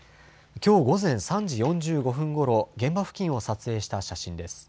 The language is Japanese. きょう午前３時４５分ごろ、現場付近を撮影した写真です。